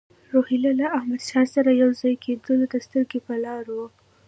روهیله له احمدشاه سره یو ځای کېدلو ته سترګې په لار وو.